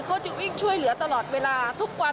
เขาจะวิ่งช่วยเหลือตลอดเวลาทุกวัน